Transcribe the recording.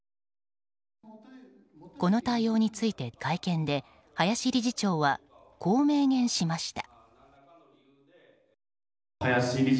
この対応について会見で林理事長は、こう明言しました。